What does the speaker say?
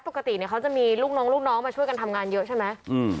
ปกติเนี่ยเขาจะมีลูกน้องลูกน้องมาช่วยกันทำงานเยอะใช่ไหม